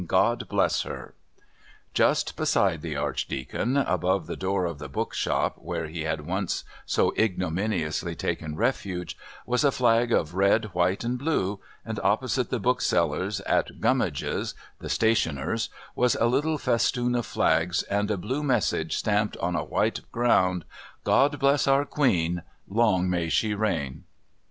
God Bless Her!" Just beside the Archdeacon, above the door of the bookshop where he had once so ignominiously taken refuge, was a flag of red, white and blue, and opposite the bookseller's, at Gummridge's the stationer's, was a little festoon of flags and a blue message stamped on a white ground: "God Bless Our Queen: Long May She Reign!"